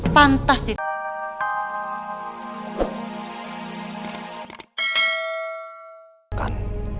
pantas ditanggung jawab